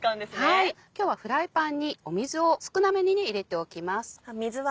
はい今日はフライパンに水を少なめに入れておきます。